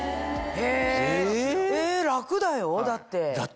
え楽だよ？だって。だって。